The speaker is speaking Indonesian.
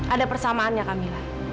ada persamaannya kami